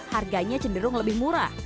harganya cenderung lebih murah